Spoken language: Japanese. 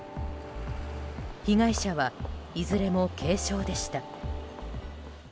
被害者はいずれも軽傷でした。